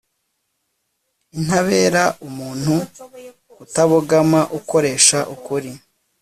intabera umuntu utabogama, ukoresha ukuri